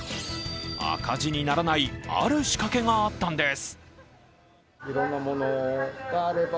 赤字にならない、ある仕掛けがあったんです。